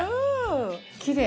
きれい。